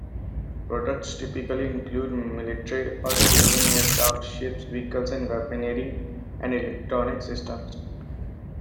Products typically include military or civilian aircraft, ships, vehicles, weaponry, "and" electronic systems.